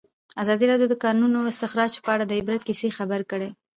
ازادي راډیو د د کانونو استخراج په اړه د عبرت کیسې خبر کړي.